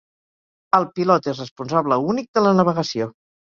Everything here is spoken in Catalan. El pilot és responsable únic de la navegació.